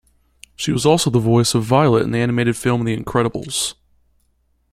She was also the voice of Violet in the animated film "The Incredibles".